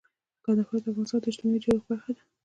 کندهار د افغانستان د اجتماعي جوړښت برخه ده.